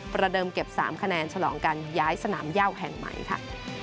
เดิมเก็บ๓คะแนนฉลองการย้ายสนามย่าวแห่งใหม่ค่ะ